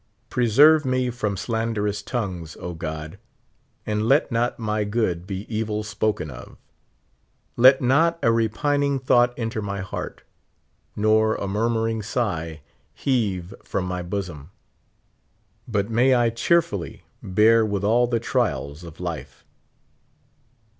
Pre serve me from slanderous tongues, O God, and let not ni}' good be evil spoken of. Let not a repining thought enter my heart, nor a murmuring sigh heave from my bosom ; but may I cheerfully bear with all the trials of life.